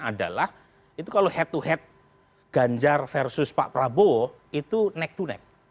adalah itu kalau head to head ganjar versus pak prabowo itu neck to neck